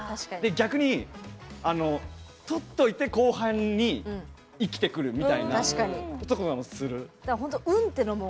逆に、とっといて後半にいきてくるみたいなのも。